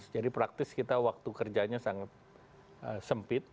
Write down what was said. jadi praktis kita waktu kerjanya sangat sempit